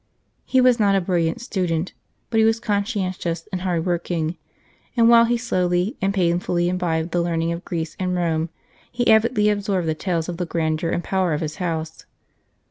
He was not a brilliant student, but he was conscientious and hard working, and while he slowly and painfully imbibed the learning of Greece and Rome he avidly absorbed the tales of the grandeur and power of his house.